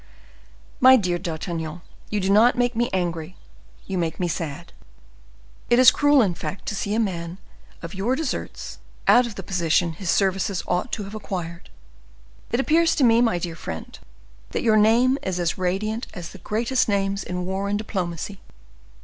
"My dear D'Artagnan, you do not make me angry, you make me sad; it is cruel, in fact, to see a man of your deserts out of the position his services ought to have acquired; it appears to me, my dear friend, that your name is as radiant as the greatest names in war and diplomacy.